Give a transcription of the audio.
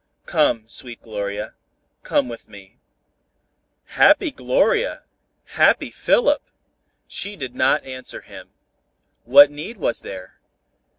Come, sweet Gloria, come with me." Happy Gloria! Happy Philip! She did not answer him. What need was there?